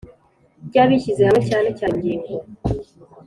Ry abishyize hamwe cyane cyane mu ngingo